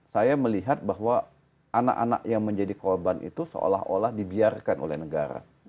saya melihat bahwa anak anak yang menjadi korban itu seolah olah dibiarkan oleh negara